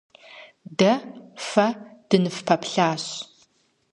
Дэ фэ дыныфпэплъащ.